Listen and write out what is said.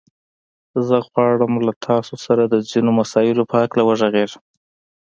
زه غواړم له تاسو سره د ځينو مسايلو په هکله وغږېږم.